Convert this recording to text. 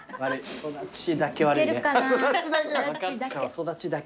育ちだけ。